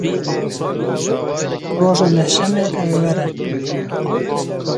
Roja nehşemê ew ê were.